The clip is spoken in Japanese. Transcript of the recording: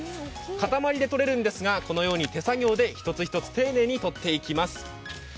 塊でとれるんですが、このように手作業で１つ１つ丁寧にとっていきます。